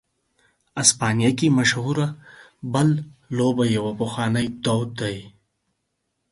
اسپانیا کې مشهوره "بل" لوبه یو پخوانی دود دی.